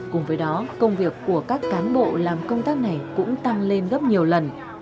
cùng với đó công việc của các cán bộ làm công tác này cũng tăng lên gấp nhiều lần